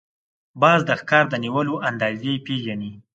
باز د ښکار د نیولو اندازې پېژني